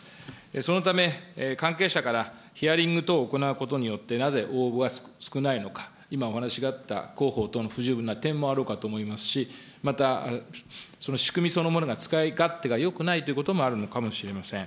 そのため、関係者からヒアリング等を行うことによって、なぜ、応募が少ないのか、今お話があった広報等、不十分な点もあろうかと思いますし、また、仕組みそのものが使い勝手がよくないということもあるのかもしれません。